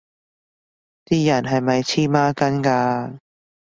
啲人係咪黐孖筋㗎